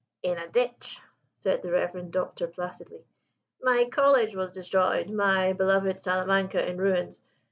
"In a ditch," said the reverend Doctor placidly. "My college was destroyed: my beloved Salamanca in ruins.